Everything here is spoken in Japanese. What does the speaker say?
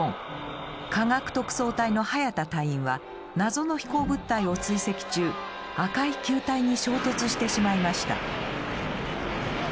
科学特捜隊のハヤタ隊員は謎の飛行物体を追跡中赤い球体に衝突してしまいました。